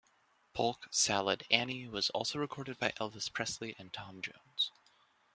"Polk Salad Annie" was also recorded by Elvis Presley and Tom Jones.